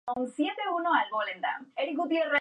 A Albino le tocó la "desolada Milán.